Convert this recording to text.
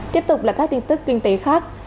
tiếp tục là các tin tức kinh tế khác